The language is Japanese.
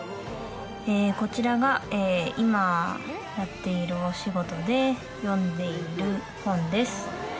こちらが今、やっているお仕事で、読んでいる本です。